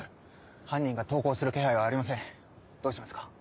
犯人が投降する気配はありませんどうしますか？